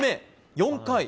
４回。